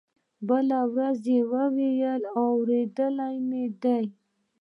بله ورځ يې وويل اورېدلي مې دي.